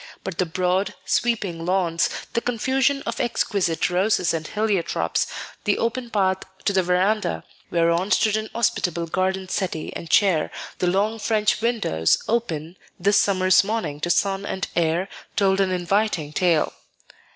But the broad, sweeping lawns, the confusion of exquisite roses and heliotropes, the open path to the veranda, whereon stood an hospitable garden settee and chair, the long French windows open this summer's morning to sun and air, told an inviting tale.